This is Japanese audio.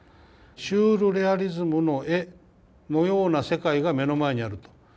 シュール・レアリスムの絵のような世界が目の前にあると。